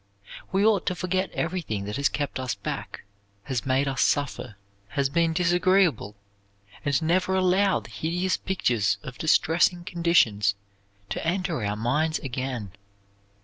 We ought to forget everything that has kept us back, has made us suffer, has been disagreeable, and never allow the hideous pictures of distressing conditions to enter our minds again.